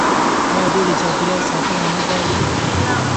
آیا دوی د چاپیریال ساتنه نه غواړي؟